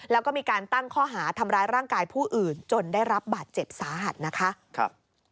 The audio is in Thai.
แล้วก็มีการตั้งข้อหาทำร้ายร่างกายผู้อื่นจนได้รับบาดเจ็บสาหัสนะคะ